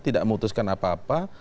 tidak memutuskan apa apa